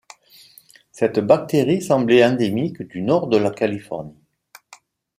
Cette bactérie semblait endémique du nord de la Californie.